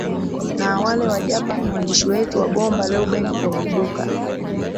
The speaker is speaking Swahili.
na wale wa japan mwandishi wetu wa gomba reuben lokubuka